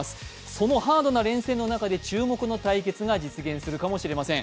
そのハードな連戦の中で注目の対決が実現するかもしれません。